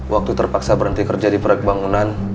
waktu terpaksa berhenti kerja di proyek bangunan